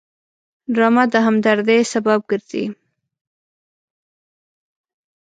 ډرامه د همدردۍ سبب ګرځي